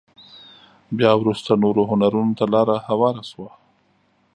بيا وروسته نورو هنرونو ته لاره هواره شوه.